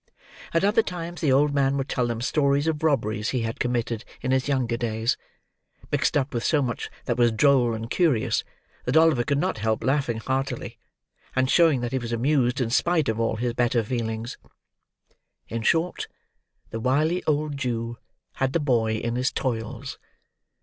At other times the old man would tell them stories of robberies he had committed in his younger days: mixed up with so much that was droll and curious, that Oliver could not help laughing heartily, and showing that he was amused in spite of all his better feelings. In short, the wily old Jew had the boy in his toils.